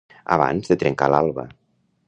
Abans de trencar l'alba.